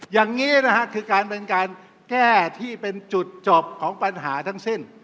อย่างนี้นะฮะคือการเป็นการแก้ที่เป็นจุดจบของปัญหาทั้งสิ้น